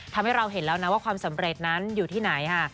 ทำให้เราเห็นแล้วนะว่าความสำเร็จนั้นอยู่ที่ไหนค่ะ